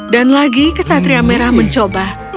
dan lagi kesatria merah mencoba